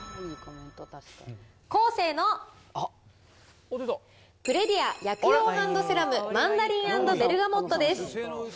コーセーのプレディア薬用ハンドセラムマンダリン＆ベルガモットです。